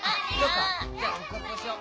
じゃこうしよう。